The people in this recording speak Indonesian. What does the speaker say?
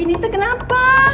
ini tuh kenapa